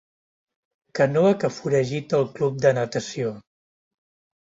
Canoa que foragita el Club de Natació.